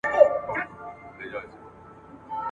كه اورونه ابدي غواړئ بچيانو !.